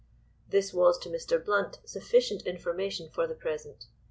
This was to Mr. Blount sufficient information for the present.